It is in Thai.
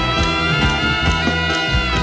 กลับไปที่นี่